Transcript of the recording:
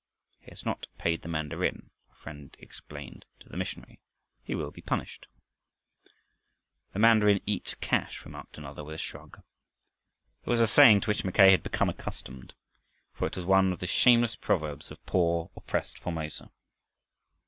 "He has not paid the mandarin," a friend explained to the missionary. "He will be punished." "The mandarin eats cash," remarked another with a shrug. It was a saying to which Mackay had become accustomed. For it was one of the shameless proverbs of poor, oppressed Formosa.